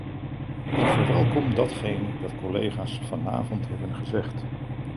Ik verwelkom datgene dat collega's vanavond hebben gezegd.